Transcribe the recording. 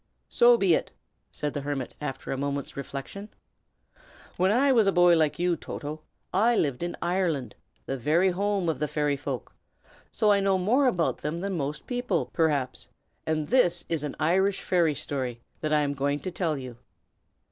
"So be it!" said the hermit, after a moment's reflection. "When I was a boy like you, Toto, I lived in Ireland, the very home of the fairy folk; so I know more about them than most people, perhaps, and this is an Irish fairy story that I am going to tell you."